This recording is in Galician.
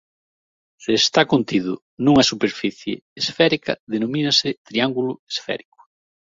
Se está contido nunha superficie esférica denomínase triángulo esférico.